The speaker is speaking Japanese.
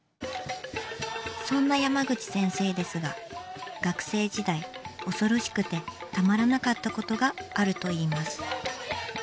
そんな山口先生ですが学生時代恐ろしくてたまらなかったことがあると言います。